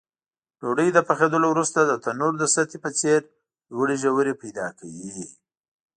ډوډۍ له پخېدلو وروسته د تنور د سطحې په څېر لوړې ژورې پیدا کوي.